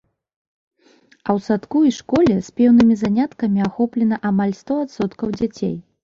А ў садку і школе спеўнымі заняткамі ахоплена амаль сто адсоткаў дзяцей.